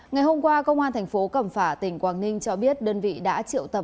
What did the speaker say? ngày hôm qua công an thành phố cẩm phả tỉnh quảng ninh cho biết đơn vị đã triệu tập